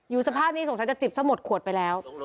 สภาพนี้สงสัยจะจิบซะหมดขวดไปแล้ว